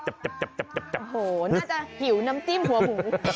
น่าจะหิวน้ำจิ้มหัวหมู